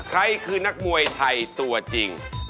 ใครคือนักมวยไทยตัวจริง